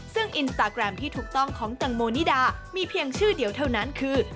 ซึ่งอินสตาแกรมที่ถูกต้องของแตงโมนิดามีเพียงชื่อเดียวเท่านั้นคือ